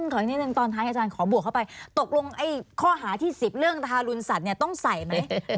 ขออีกนิดนึงตอนท้ายอาจารย์ขอบวกเข้าไปตกลงไอ้ข้อหาที่๑๐เรื่องทารุณสัตว์ต้องใส่ไหม